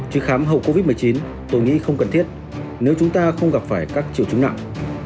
chứ khám hậu covid một mươi chín tôi nghĩ không cần thiết nếu chúng ta không gặp phải các triệu chứng nặng